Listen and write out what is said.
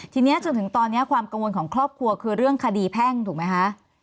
ทีนี้จนถึงตอนนี้ความกังวลของครอบครัวคือเรื่องคดีแพ่งถูกไหมคะ